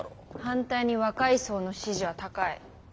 反対に若い層の支持は高い。